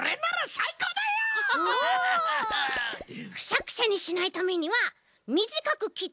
くしゃくしゃにしないためにはみじかくきってつなげてはる。